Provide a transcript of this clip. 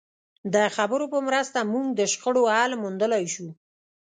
د خبرو په مرسته موږ د شخړو حل موندلای شو.